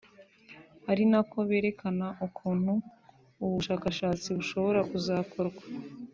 ari na ko berekana ukuntu ubu bushakashatsi bushobora kuzakorwa